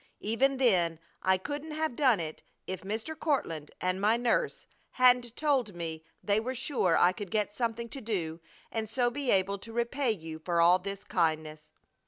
Even then I couldn't have done it if Mr. Courtland and my nurse hadn't told me they were sure I could get something to do and so be able to repay you for all this kindness.